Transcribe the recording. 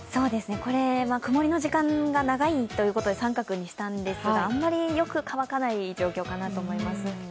これ、曇りの時間が長いということで△にしたんですがあんまりよく乾かない状況かなと思います。